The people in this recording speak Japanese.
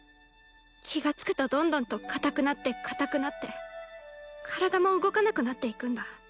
気が付くとどんどんと固くなって固くなって体も動かなくなっていくんだ。